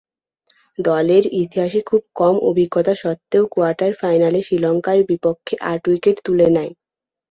দলের ইতিহাসে খুব কম অভিজ্ঞতা স্বত্ত্বেও কোয়ার্টার ফাইনালে শ্রীলঙ্কার বিপক্ষে আট উইকেট তুলে নেয়।